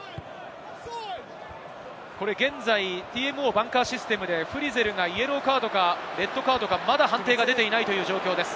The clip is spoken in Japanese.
現在ＴＭＯバンカーシステムでフリゼルがイエローカードか、レッドカードか、まだ判定が出ていない状況です。